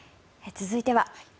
続いては。